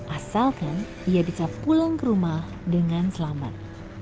asalkan ia bisa pulang ke rumah dengan selamat